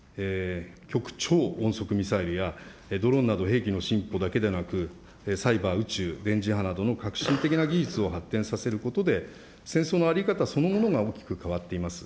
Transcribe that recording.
極超音速ミサイルや、ドローンなど兵器の進歩だけでなく、サイバー、宇宙、電磁波などの革新的な技術を発展させることで、戦争の在り方そのものが大きく変わっています。